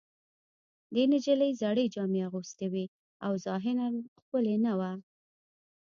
دې نجلۍ زړې جامې اغوستې وې او ظاهراً ښکلې نه وه